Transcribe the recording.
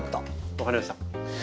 分かりました？